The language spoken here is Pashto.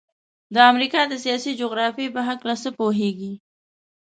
د امریکا د سیاسي جغرافیې په هلکه څه پوهیږئ؟